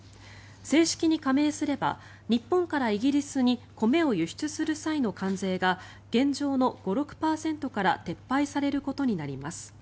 正式に加盟すれば日本からイギリスに米を輸出する際の関税が現状の５６％から撤廃されることになります。